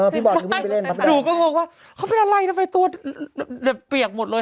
อ๋อพี่บอกว่าเขาเป็นอะไรตัวเปียกหมดเลย